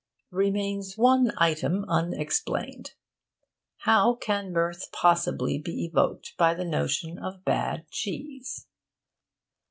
Remains one item unexplained. How can mirth possibly be evoked by the notion of bad cheese?